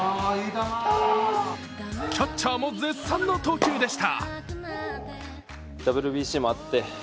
キャッチャーも絶賛の投球でした。